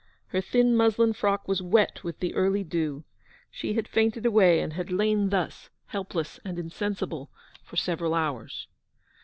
Her thin muslin frock was wet with the early dew. She had fainted away, and had lain thus, helpless and insensible, for several hours.